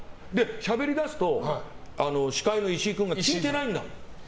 しゃべりだすと司会の石井君が聞いてないんだもん。